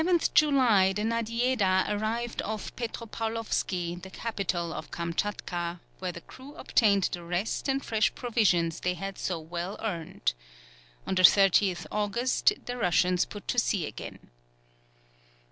] On the 11th July, the Nadiejeda arrived off Petropaulovski, the capital of Kamtchatka, where the crew obtained the rest and fresh provisions they had so well earned. On the 30th August, the Russians put to sea again.